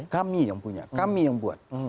kami yang punya kami yang buat